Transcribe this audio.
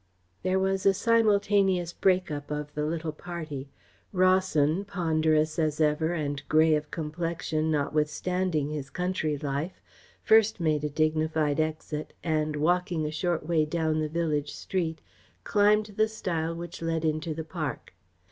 There was a simultaneous break up of the little party. Rawson, ponderous as ever and grey of complexion, notwithstanding his country life, first made a dignified exit, and, walking a short way down the village street, climbed the stile which led into the park.